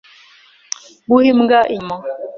Guha imbwa inyama.